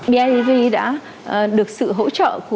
bidv đã được sự hỗ trợ